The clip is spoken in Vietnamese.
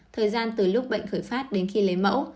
thời gian từ lúc bệnh khởi phát đến khi lấy mẫu